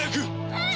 はい！